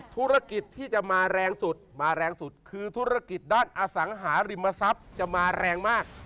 ธุรกิจที่จะมาแรงสุดมาแรงสุดคือธุรกิจด้านอสังหาริมทรัพย์จะมาแรงมาก